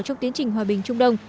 trong tiến trình hòa bình trung đông